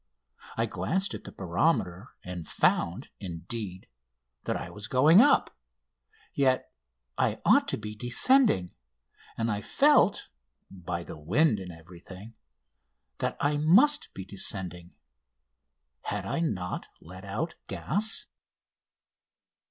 I glanced at the barometer, and found, indeed, that I was going up. Yet I ought to be descending, and I felt by the wind and everything that I must be descending. Had I not let out gas?